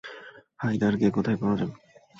হায়দারকে কোথায় পাওয়া যাবে?